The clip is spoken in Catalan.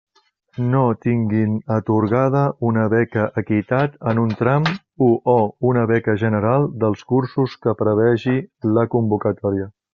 No tinguin atorgada una beca Equitat en un tram u o una beca general dels cursos que prevegi la convocatòria.